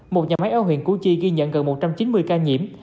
một nhà máy ở huyện củ chi ghi nhận gần một trăm chín mươi ca nhiễm